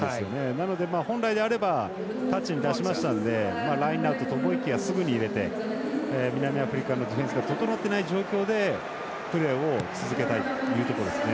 なので、本来であればタッチに出しましたんでラインアウトと思いきやすぐ入れて南アフリカのディフェンスが整っていない状況でプレーを続けたいというところですね。